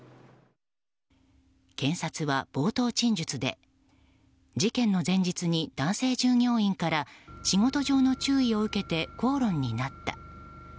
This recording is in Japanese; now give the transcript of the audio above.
検察は冒頭陳述で事件の前日に男性従業員から仕事上の注意を受けて口論になった。